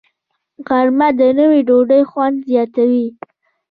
غرمه د نیوي ډوډۍ خوند زیاتوي